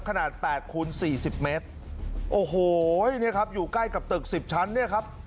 ขนาดแปดคูณสี่สิบเมตรโอ้โหเนี่ยครับอยู่ใกล้กับตึกสิบชั้นเนี่ยครับ